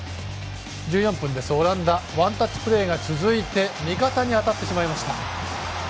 １４分、オランダワンタッチプレーが続いて味方に当たってしまいました。